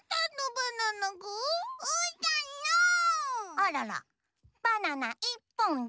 あららバナナいっぽんだ。